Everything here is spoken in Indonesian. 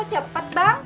kok cepet bang